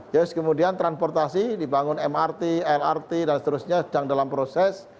terus kemudian transportasi dibangun mrt lrt dan seterusnya sedang dalam proses